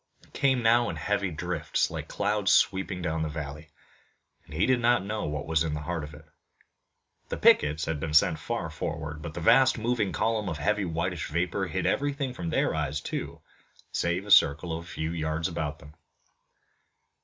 It came now in heavy drifts like clouds sweeping down the valley, and he did not know what was in the heart of it. The pickets had been sent far forward, but the vast moving column of heavy whitish vapor hid everything from their eyes, too, save a circle of a few yards about them.